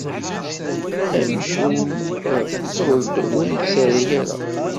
Amcum ireṭṭel-d, ur ittarra ara.